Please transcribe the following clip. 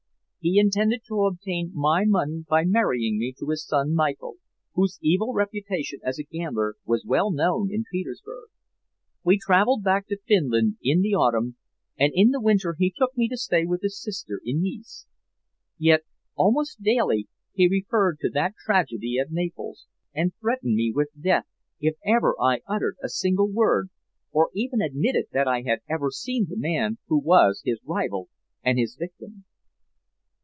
He intended to obtain my money by marrying me to his son Michael, whose evil reputation as a gambler was well known in Petersburg. We traveled back to Finland in the autumn, and in the winter he took me to stay with his sister in Nice. Yet almost daily he referred to that tragedy at Naples, and threatened me with death if ever I uttered a single word, or even admitted that I had ever seen the man who was his rival and his victim."